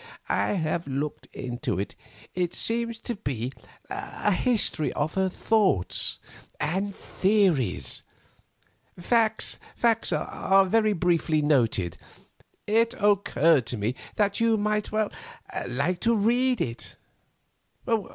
"I have looked into it; it seems to be a history of her thoughts and theories. Facts are very briefly noted. It occurred to me that you might like to read it.